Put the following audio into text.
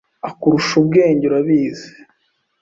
akurusha ubwenge, urabizi.